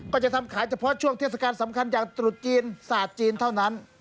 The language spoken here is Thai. ก็จะทำขายเฉพาะช่วงเทศกาลสำคัญอย่างตรุษจีนศาสตร์จีนเท่านั้น